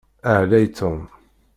Ɛlay Tom.